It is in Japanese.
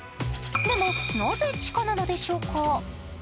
でも、なぜ地下なのでしょうか。